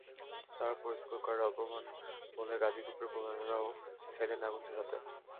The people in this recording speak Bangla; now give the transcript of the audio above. তার ওপর স্কোরবোর্ডে অল্প রান বলে গাজী গ্রুপের বোলাররাও চাইলেন আগুন ঝরাতে।